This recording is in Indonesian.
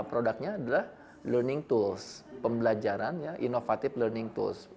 produknya adalah learning tools pembelajaran ya innovative learning tools